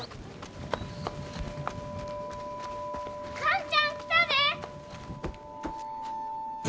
寛ちゃん来たで！